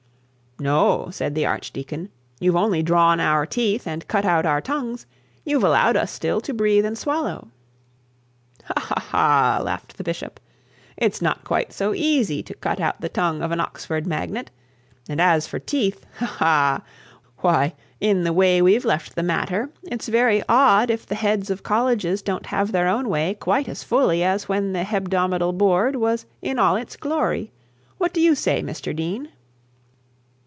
'No,' said the archdeacon; 'you've only drawn our teeth and cut out our tongues; you've allowed us still to breathe and swallow.' 'Ha, ha, ha!' laughed the bishop; 'it's not quite so easy to cut out the tongue of an Oxford magnate, and as for teeth, ha, ha, ha! Why, in the way we've left the matter, it's very odd if the heads of colleges don't have their own way quite as fully as when the hebdomadal board was in all its glory; what do you say, Mr Dean?'